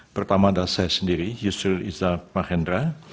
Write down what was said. pertama adalah saya sendiri yusril iza mahendra